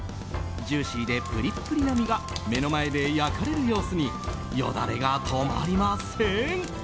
ジューシーでプリップリな身が目の前で焼かれる様子によだれが止まりません！